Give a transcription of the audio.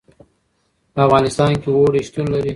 په افغانستان کې اوړي شتون لري.